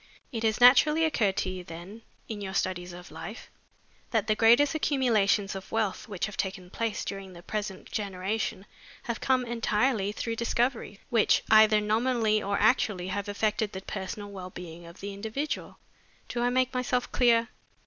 It has naturally occurred to you, then, in your studies of life, that the greatest accumulations of wealth which have taken place during the present generation have come entirely through discoveries, which either nominally or actually have affected the personal well being of the individual. Do I make myself clear?